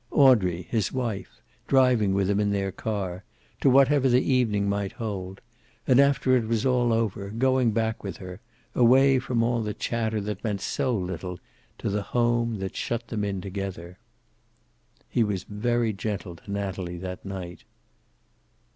Audrey, his wife, driving with him in their car, to whatever the evening might hold. And after it was all over, going back with her, away from all the chatter that meant so little, to the home that shut them in together. He was very gentle to Natalie that night.